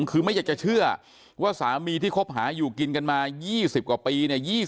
คือไม่อยากจะเชื่อว่าสามีที่คบหาอยู่กินกันมา๒๐กว่าปีเนี่ย